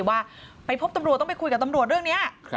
ว่าไปพบตำรวจต้องไปคุยกับตำรวจเรื่องนี้